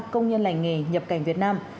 công nhân lành nghề nhập cảnh việt nam